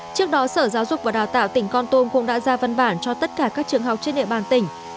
trước đó sở giáo dục và đào tạo tỉnh con tum cũng đã ra văn bản cho tất cả các trường học trên địa bàn tỉnh